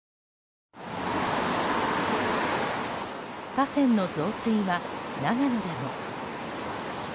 河川の増水は長野でも。